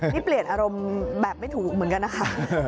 นี่เปลี่ยนอารมณ์แบบไม่ถูกเหมือนกันนะคะ